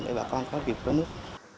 để bà con có việc với nước